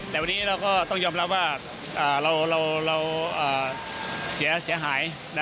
แต่วันนี้เราก็ต้องยอมรับว่าเราเสียหาย